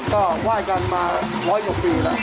ก็ไหว้กันมาหลายหกปีแล้ว